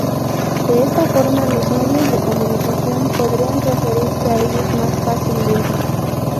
De esta forma los medios de comunicación podrían referirse a ellos más fácilmente.